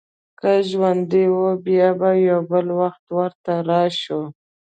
که ژوند و، بیا به یو بل وخت ورته راشو.